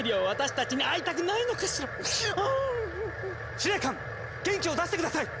司令官元気を出して下さい！